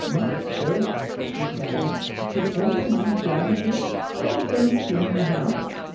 "Maester!" she cried, "can Abel mind Jan a bit? I be going to clean the house."